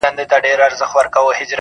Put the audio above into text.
ليلا مجنون~